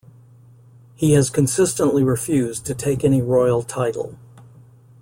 He has consistently refused to take any royal title.